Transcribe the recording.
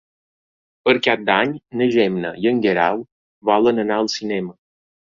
Per Cap d'Any na Gemma i en Guerau volen anar al cinema.